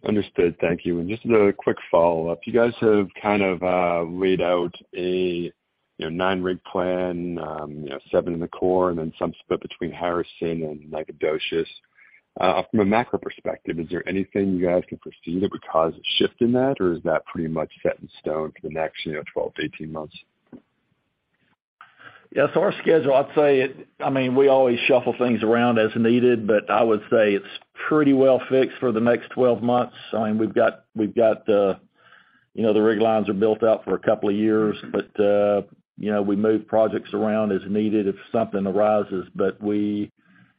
Understood. Thank you. Just a quick follow-up. You guys have kind of laid out a you know 9-rig plan you know 7 in the core and then some split between Harrison and Nacogdoches. From a macro perspective, is there anything you guys can foresee that would cause a shift in that, or is that pretty much set in stone for the next you know 12-18 months? Yeah. Our schedule, I'd say it. I mean, we always shuffle things around as needed, but I would say it's pretty well fixed for the next 12 months. I mean, we've got the rig lines, you know, are built out for a couple of years. You know, we move projects around as needed if something arises. We,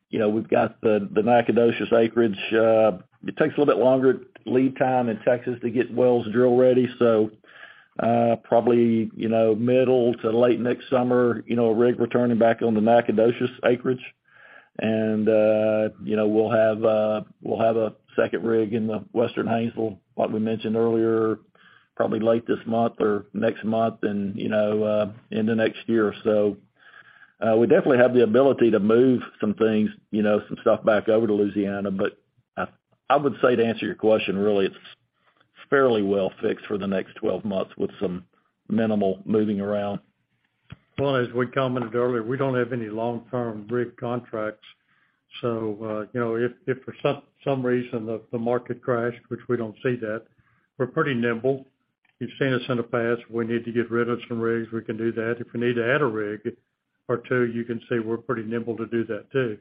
you know, we've got the Nacogdoches acreage. It takes a little bit longer lead time in Texas to get wells drill-ready, so probably, you know, middle to late next summer, you know, a rig returning back on the Nacogdoches acreage. You know, we'll have a second rig in the Western Haynesville, like we mentioned earlier, probably late this month or next month and, you know, into next year. We definitely have the ability to move some things, you know, some stuff back over to Louisiana. I would say to answer your question, really, it's fairly well fixed for the next 12 months with some minimal moving around. Well, as we commented earlier, we don't have any long-term rig contracts. You know, if for some reason the market crashed, which we don't see that, we're pretty nimble. You've seen us in the past. We need to get rid of some rigs. We can do that. If we need to add a rig or two, you can see we're pretty nimble to do that too.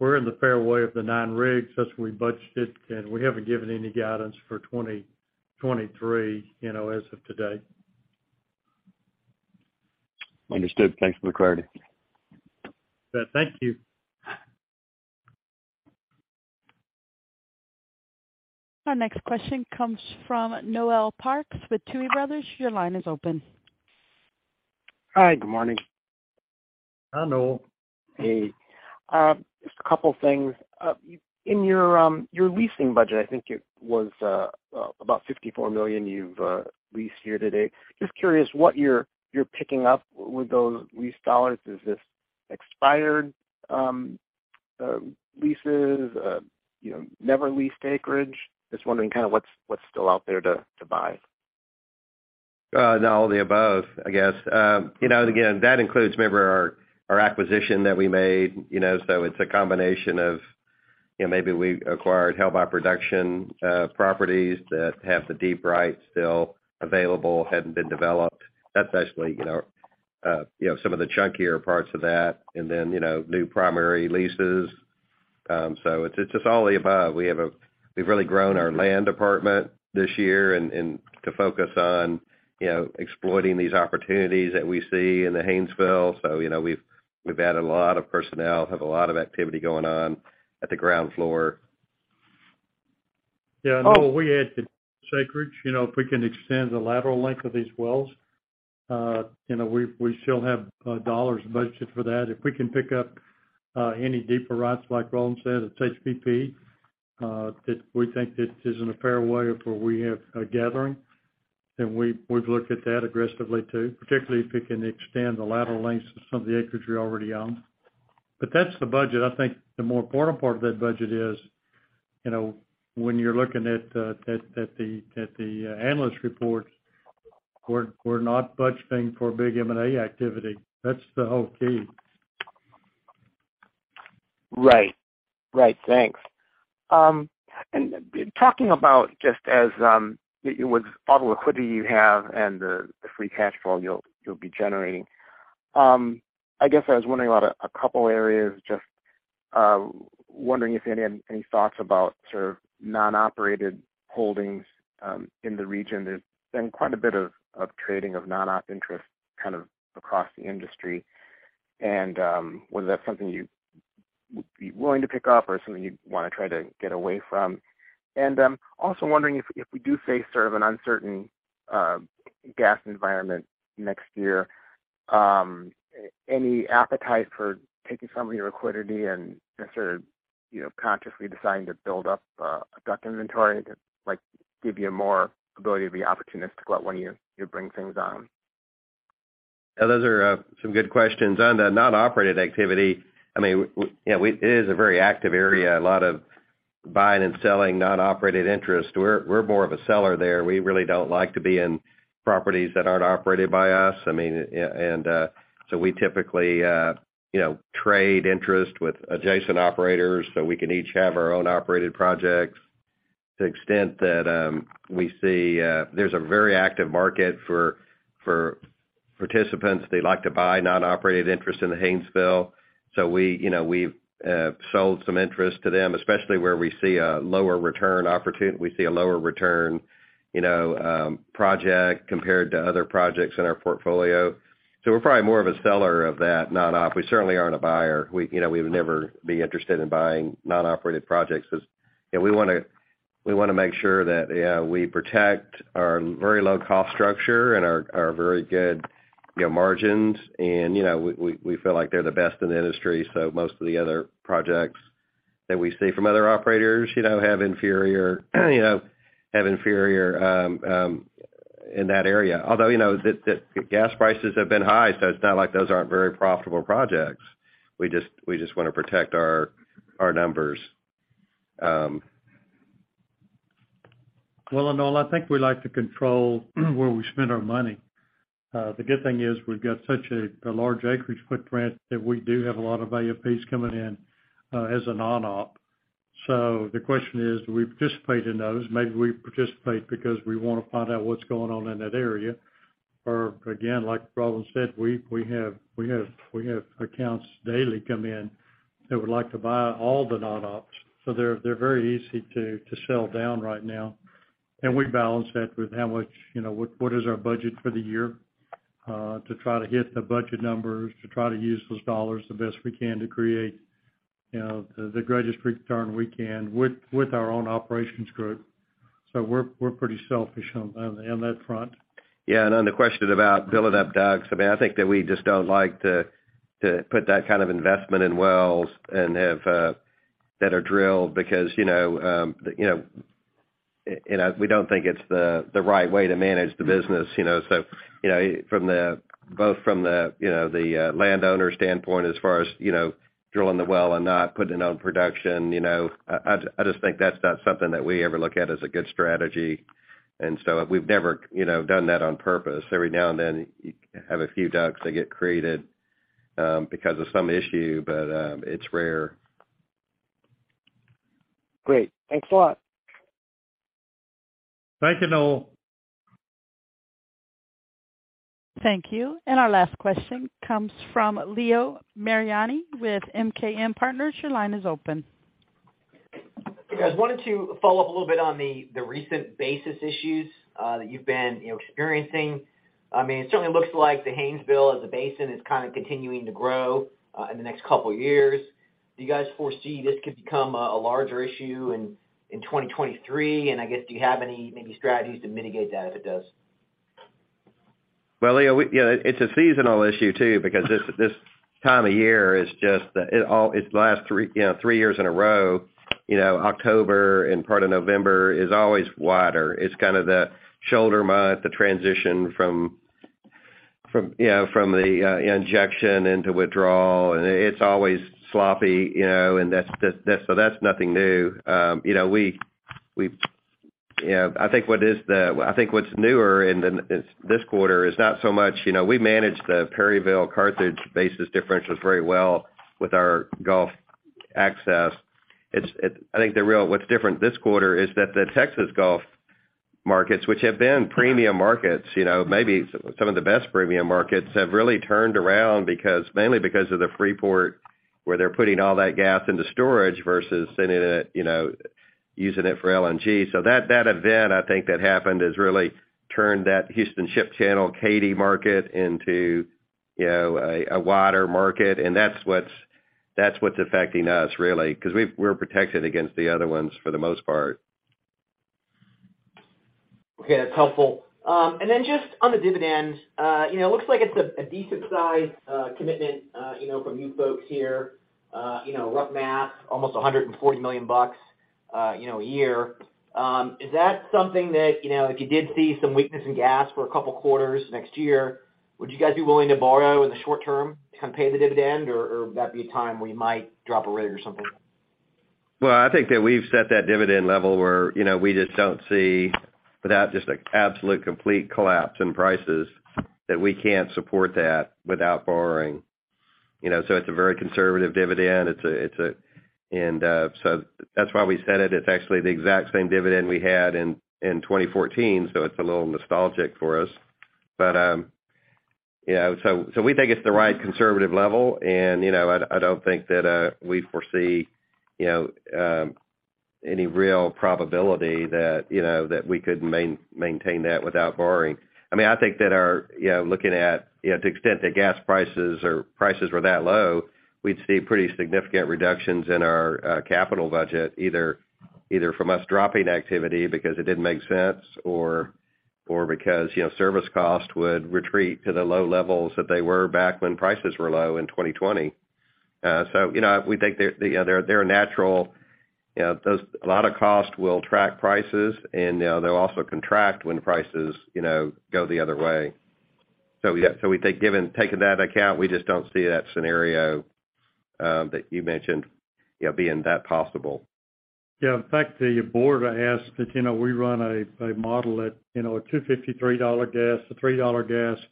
We're in the fairway of the nine rigs. That's what we budgeted, and we haven't given any guidance for 2023, you know, as of today. Understood. Thanks for the clarity. Thank you. Our next question comes from Noel Parks with Tuohy Brothers. Your line is open. Hi. Good morning. Hi, Noel. Hey. Just a couple things. In your leasing budget, I think it was about $54 million you've leased year to date. Just curious what you're picking up with those lease dollars. Is this expired leases, you know, never leased acreage? Just wondering kind of what's still out there to buy. All of the above, I guess. You know, again, that includes remember our acquisition that we made, you know. It's a combination of, you know, maybe we acquired held by production properties that have the deep rights still available, hadn't been developed. That's actually, you know, some of the chunkier parts of that. You know, new primary leases. It's just all of the above. We've really grown our land department this year and to focus on, you know, exploiting these opportunities that we see in the Haynesville. You know, we've added a lot of personnel, have a lot of activity going on at the ground floor. Yeah. Noel, we add to the acreage. You know, if we can extend the lateral length of these wells, you know, we still have dollars budgeted for that. If we can pick up any deeper rights, like Roland said, it's HBP that we think it is in a fairway of where we have gathering, then we'd look at that aggressively too, particularly if it can extend the lateral lengths to some of the acreage we already own. That's the budget. I think the more important part of that budget is, you know, when you're looking at the analyst reports, we're not budgeting for big M&A activity. That's the whole key. Right. Thanks. Talking about just as with all the liquidity you have and the free cash flow you'll be generating, I guess I was wondering about a couple areas. Just wondering if you had any thoughts about sort of non-operated holdings in the region. There's been quite a bit of trading of non-op interest kind of across the industry. Was that something you would be willing to pick up or something you'd wanna try to get away from? Also wondering if we do face sort of an uncertain gas environment next year, any appetite for taking some of your liquidity and sort of, you know, consciously deciding to build up a DUC inventory to, like, give you more ability to be opportunistic about when you bring things on? Yeah, those are some good questions. On the non-operated activity, I mean, you know, it is a very active area, a lot of buying and selling non-operated interest. We're more of a seller there. We really don't like to be in properties that aren't operated by us. I mean, so we typically, you know, trade interest with adjacent operators, so we can each have our own operated projects. To the extent that we see, there's a very active market for participants. They like to buy non-operated interest in the Haynesville. We, you know, we've sold some interest to them, especially where we see a lower return, you know, project compared to other projects in our portfolio. We're probably more of a seller of that non-op. We certainly aren't a buyer. We, you know, we would never be interested in buying non-operated projects 'cause, you know, we wanna make sure that, yeah, we protect our very low cost structure and our very good, you know, margins. You know, we feel like they're the best in the industry, so most of the other projects that we see from other operators, you know, have inferior, you know, in that area. Although, you know, the gas prices have been high, so it's not like those aren't very profitable projects. We just wanna protect our numbers. Well, Noel, I think we like to control where we spend our money. The good thing is we've got such a large acreage footprint that we do have a lot of AFEs coming in as a non-op. So the question is, do we participate in those? Maybe we participate because we wanna find out what's going on in that area. Or, again, like Roland said, we have accounts daily come in that would like to buy all the non-ops. So they're very easy to sell down right now. We balance that with how much, you know, what is our budget for the year to try to hit the budget numbers, to try to use those dollars the best we can to create, you know, the greatest return we can with our own operations group. We're pretty selfish on that front. Yeah, on the question about building up DUCs, I mean, I think that we just don't like to put that kind of investment in wells and have that are drilled because, you know, we don't think it's the right way to manage the business, you know. You know, from both the, you know, the landowner standpoint as far as, you know, drilling the well and not putting it on production, you know, I just think that's not something that we ever look at as a good strategy. We've never, you know, done that on purpose. Every now and then, you have a few DUCs that get created, because of some issue, but, it's rare. Great. Thanks a lot. Thank you, Noel. Thank you. Our last question comes from Leo Mariani with MKM Partners. Your line is open. Hey, guys. Wanted to follow up a little bit on the recent basis issues that you've been, you know, experiencing. I mean, it certainly looks like the Haynesville as a basin is kinda continuing to grow in the next couple years. Do you guys foresee this could become a larger issue in 2023? I guess, do you have any maybe strategies to mitigate that if it does? Well, Leo, you know, it's a seasonal issue too, because this time of year lasts three years in a row. You know, October and part of November is always wider. It's kinda the shoulder month, the transition from you know, from the injection into withdrawal. It's always sloppy, you know, and that's. So that's nothing new. You know, we you know, I think what's newer in this quarter is not so much, you know, we manage the Perryville Carthage basis differentials very well with our Gulf access. I think the real what's different this quarter is that the Texas Gulf markets, which have been premium markets, you know, maybe some of the best premium markets, have really turned around because mainly because of the Freeport, where they're putting all that gas into storage versus sending it, you know, using it for LNG. So that event, I think that happened, has really turned that Houston Ship Channel Katy market into, you know, a wider market. That's what's affecting us really, 'cause we're protected against the other ones for the most part. Okay, that's helpful. Just on the dividends, you know, it looks like it's a decent size commitment, you know, from you folks here. You know, rough math, almost $140 million a year. Is that something that, you know, if you did see some weakness in gas for a couple quarters next year, would you guys be willing to borrow in the short term to kind of pay the dividend or would that be a time where you might drop a rig or something? Well, I think that we've set that dividend level where, you know, we just don't see, without just like absolute complete collapse in prices, that we can't support that without borrowing. You know, so it's a very conservative dividend. That's why we set it. It's actually the exact same dividend we had in 2014, so it's a little nostalgic for us. You know, so we think it's the right conservative level and, you know, I don't think that we foresee, you know, any real probability that, you know, that we couldn't maintain that without borrowing. I mean, I think that, you know, to the extent that gas prices or prices were that low, we'd see pretty significant reductions in our capital budget, either from us dropping activity because it didn't make sense or because, you know, service costs would retreat to the low levels that they were back when prices were low in 2020. You know, we think they're a natural, you know, a lot of costs will track prices and, you know, they'll also contract when prices, you know, go the other way. Yeah, taking that into account, we just don't see that scenario that you mentioned, you know, being that possible. Yeah. In fact, The Board asked that, you know, we run a model at, you know, a $2.53 gas, a $3 gas,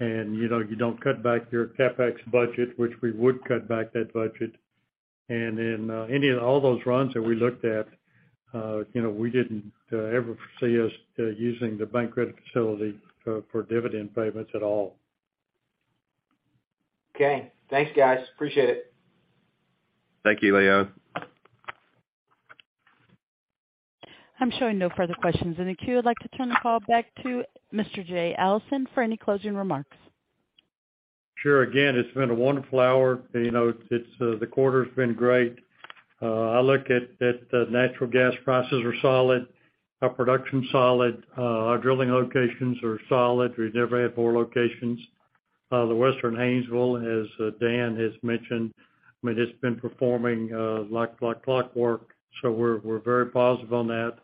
and, you know, you don't cut back your CapEx budget, which we would cut back that budget. In any and all those runs that we looked at, you know, we didn't ever foresee us using the bank credit facility for dividend payments at all. Okay. Thanks, guys. Appreciate it. Thank you, Leo. I'm showing no further questions in the queue. I'd like to turn the call back to Mr. Jay Allison for any closing remarks. Sure. Again, it's been a wonderful hour. You know, it's the quarter's been great. I look at that, natural gas prices are solid, our production's solid, our drilling locations are solid. We've never had poor locations. The Western Haynesville, as Dan has mentioned, I mean, it's been performing like clockwork, so we're very positive on that.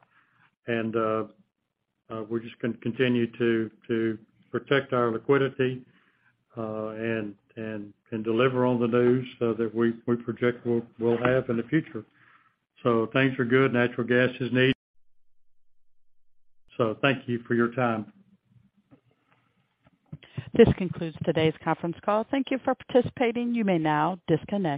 We're just gonna continue to protect our liquidity and deliver on the news so that we project we'll have in the future. Things are good. Natural gas is needed. Thank you for your time. This concludes today's conference call. Thank you for participating. You may now disconnect.